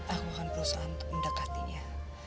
aku akan berusaha untuk mendekatinya